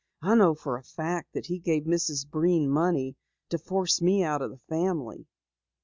I know for a fact that he gave Mrs. Breen money to force me out of the family."